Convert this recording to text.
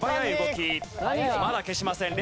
まだ消しません。